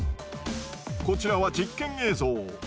こちらは実験映像。